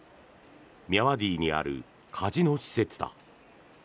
ミャワディにあるカジノ施設だ。